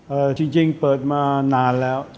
จริงจริงเปิดมานานแล้ว